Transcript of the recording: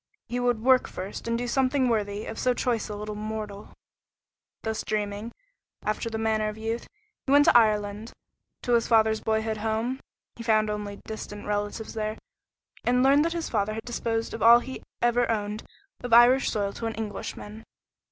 He would work first and do something worthy of so choice a little mortal. Thus dreaming, after the manner of youth, he went to Ireland, to his father's boyhood home. He found only distant relatives there, and learned that his father had disposed of all he ever owned of Irish soil to an Englishman.